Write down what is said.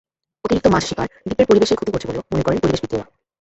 অতিরিক্ত মাছ শিকার দ্বীপের পরিবেশের ক্ষতি করছে বলেও মনে করেন পরিবেশবিদেরা।